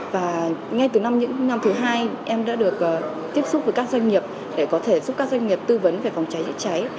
và ngay từ những năm thứ hai em đã được tiếp xúc với các doanh nghiệp để có thể giúp các doanh nghiệp tư vấn về phòng cháy chữa cháy